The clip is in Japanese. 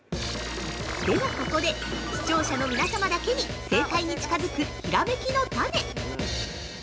◆では、ここで視聴者の皆様だけに正解に近づく、ひらめきのタネ。